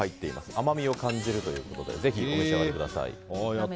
甘みを感じるということでぜひ食べてみてください。